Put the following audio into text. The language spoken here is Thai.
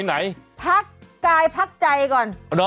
ไหนพักกายพักใจก่อน